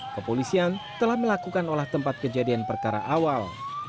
kepolisian telah melakukan olah tempat kejadian perkara awal